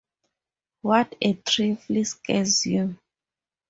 What a trifle scares you!